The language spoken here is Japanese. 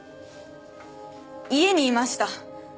家にいました。